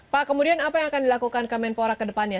pak kemudian apa yang akan dilakukan kemenpora ke depannya